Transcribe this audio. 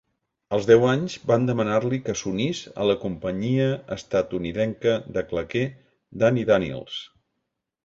Als deu anys, van demanar-li que s'unís a la companyia estatunidenca de claqué Danny Daniels.